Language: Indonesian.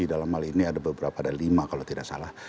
dalam hal ini ada beberapa ada lima kalau tidak salah